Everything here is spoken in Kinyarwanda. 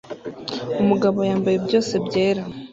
Umugabo yambaye byose byera